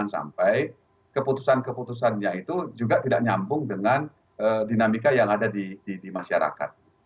sampai keputusan keputusannya itu juga tidak nyambung dengan dinamika yang ada di masyarakat